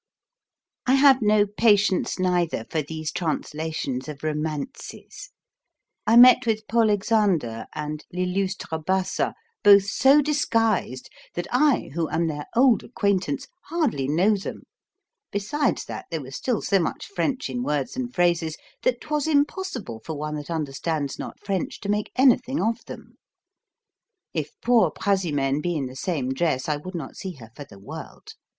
I have no patience neither for these translations of romances. I met with Polexander and L'illustre Bassa both so disguised that I, who am their old acquaintance, hardly know them; besides that, they were still so much French in words and phrases that 'twas impossible for one that understands not French to make anything of them. If poor Prazimene be in the same dress, I would not see her for the world.